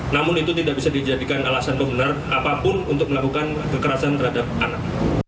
namun itu tidak bisa dijadikan alasan benar apapun untuk melakukan kekerasan terhadap anak